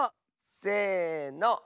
せの。